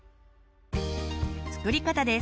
作り方です。